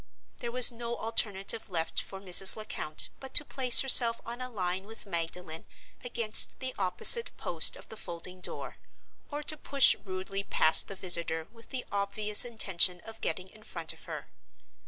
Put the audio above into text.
There was no alternative left for Mrs. Lecount but to place herself on a line with Magdalen against the opposite post of the folding door, or to push rudely past the visitor with the obvious intention of getting in front of her.